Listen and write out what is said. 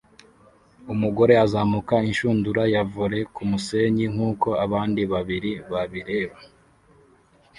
Umugore azamuka inshundura ya volley kumusenyi nkuko abandi babiri babireba